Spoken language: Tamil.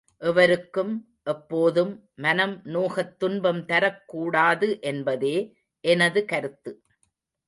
எவருக்கும், எப்போதும் மனம் நோகத் துன்பம் தரக் கூடாது என்பதே எனது கருத்து.